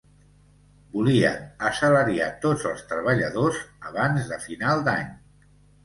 Volien assalariar tots els treballadors abans de final d'any.